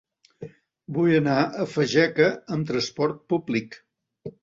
Vull anar a Fageca amb transport públic.